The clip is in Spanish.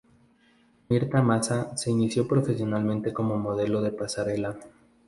Mirta Massa se inició profesionalmente como modelo de pasarela.